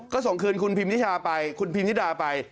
ก็ส่งคืนคุณพิมนิชาไปคุณพิมนิดาไป